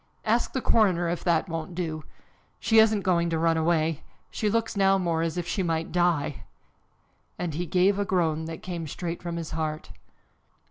Ask the coroner if that won't do. She isn't going to run away. She looks now more as if she might die!" and he gave a groan that came straight from his heart.